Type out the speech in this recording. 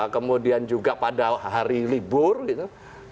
kemudian juga pada hari libur gitu